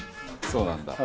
そうなんだ。